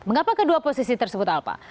mengapa kedua posisi tersebut alpa